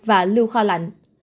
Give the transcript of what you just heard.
và lưu kho lạnh